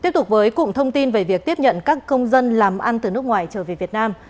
tiếp tục với cụm thông tin về việc tiếp nhận các công dân làm ăn từ nước ngoài trở về việt nam